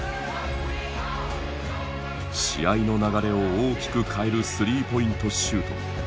試合の流れを大きく変えるスリーポイントシュート。